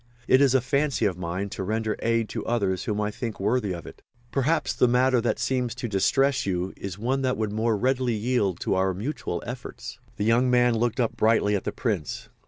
It is a fancy of mine to render aid to others whom I think worthy of it. Perhaps the matter that seems to distress you is one that would more readily yield to our mutual efforts." The young man looked up brightly at the Prince.